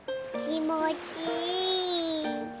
きもちいい。